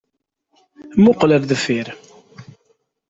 Muqqel ar deffir!